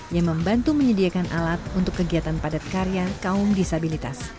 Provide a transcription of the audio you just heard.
yang membantu menyediakan alat untuk kegiatan padat karya kaum disabilitas